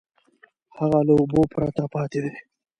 هغه له اوبو پرته پاتې دی.